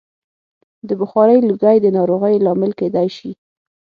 د بخارۍ لوګی د ناروغیو لامل کېدای شي.